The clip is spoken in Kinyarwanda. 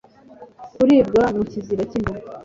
Kuribwa mu kiziba cy'inda